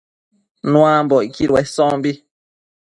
Nuambocquid cuesombi